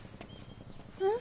うん？